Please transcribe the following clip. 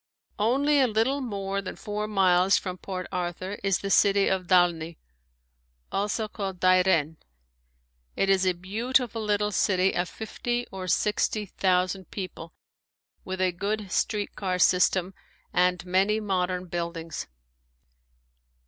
Only a little more than four miles from Port Arthur is the city of Dalney, also called Dairen. It is a beautiful little city of fifty or sixty thousand people with a good street car system and many modern buildings.